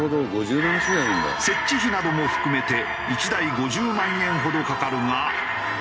設置費なども含めて１台５０万円ほどかかるが。